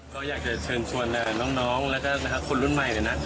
เราอยากจะเชิญชวนน้องแล้วก็นะคะคนรุ่นใหม่เนี่ยนะ